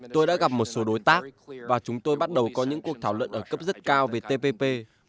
tôi đã gặp một số đối tác và chúng tôi bắt đầu có những cuộc thảo luận ở cấp rất cao về tpp